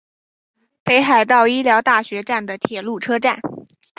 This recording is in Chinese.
北海道医疗大学站的铁路车站。